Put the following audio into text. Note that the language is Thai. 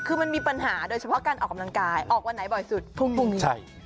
คือมันมีปัญหาโดยเฉพาะการออกกำลังกายออกวันไหนบ่อยสุดพรุ่งนี้